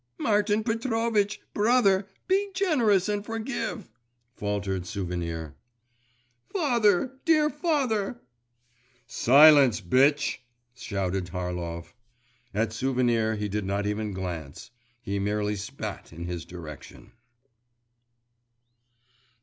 'Martin Petrovitch! brother, be generous and forgive!' faltered Souvenir. 'Father! dear father!' 'Silence, bitch!' shouted Harlov. At Souvenir he did not even glance, he merely spat in his direction.